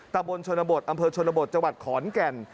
ตะบนชนบทอำเภอชนบทจังหวัดขอนแก่น